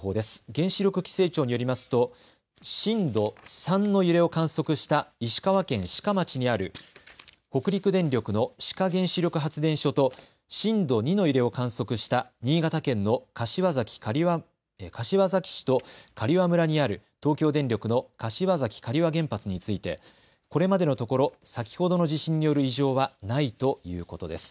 原子力規制庁によりますと震度３の揺れを観測した石川県志賀町にある北陸電力の志賀原子力発電所と震度２の揺れを観測した新潟県の柏崎市と刈羽村にある東京電力の柏崎刈羽原発についてこれまでのところ先ほどの地震による異常はないということです。